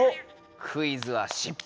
クイズは失敗。